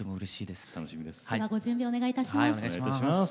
ではご準備お願いいたします。